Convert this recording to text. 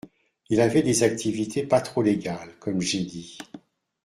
Il avait des activités pas trop légales, comme j’ai dit